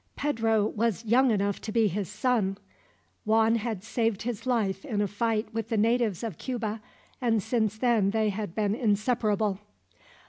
Pedro was young enough to be his son. Juan had saved his life in a fight with the natives of Cuba, and since then they had been inseparable.